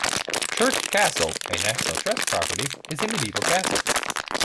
Chirk Castle, a National Trust property, is a medieval castle.